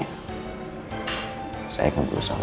aku suka kamu pengen melukainya